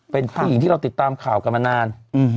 เป็นผู้หญิงที่เราติดตามข่าวกันมานาน